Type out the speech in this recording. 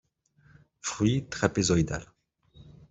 Fruits trapézoïdales.